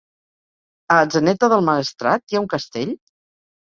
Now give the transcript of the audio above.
A Atzeneta del Maestrat hi ha un castell?